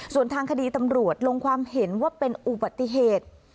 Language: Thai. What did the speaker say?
ส่วนทางคดีตำรวจลงความเห็นว่าเป็นอุบัติเหตุ